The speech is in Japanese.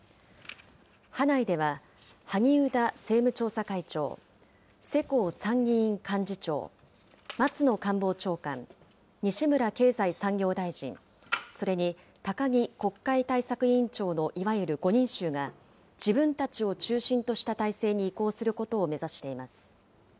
派内では萩生田政務調査会長、世耕参議院幹事長、松野官房長官、西村経済産業大臣、それに高木国会対策委員長のいわゆる５人衆が、自分たちを中心とした体制に移行することを目指しています。